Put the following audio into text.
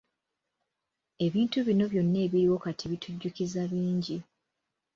Ebintu bino byonna ebiriwo kati bitujjukiza bingi.